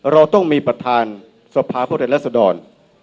เราต้องมีประธานสภาพวกไทยรัฐสดร